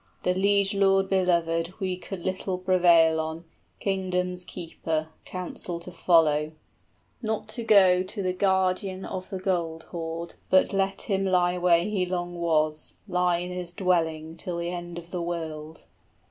The liegelord belovèd we could little prevail on, Kingdom's keeper, counsel to follow, Not to go to the guardian of the gold hoard, but let him 25 Lie where he long was, live in his dwelling Till the end of the world.